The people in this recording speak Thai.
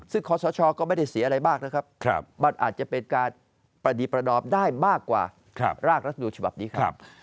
ซึ่งขอสชก็ไม่ได้เสียอะไรมากนะครับมันอาจจะเป็นการประดีประนอมได้มากกว่ารากรัฐนูญฉบับนี้ครับ